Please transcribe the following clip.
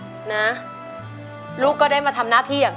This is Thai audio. คุณแม่รู้สึกยังไงในตัวของกุ้งอิงบ้าง